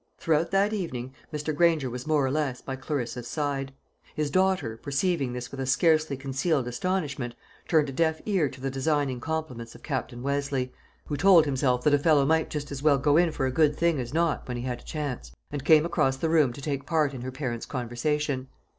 Throughout that evening Mr. Granger was more or less by Clarissa's side. His daughter, perceiving this with a scarcely concealed astonishment, turned a deaf ear to the designing compliments of Captain Westleigh (who told himself that a fellow might just as well go in for a good thing as not when he had a chance), and came across the room to take part in her parent's conversation.